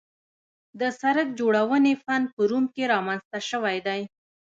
د سړک جوړونې فن په روم کې رامنځته شوی دی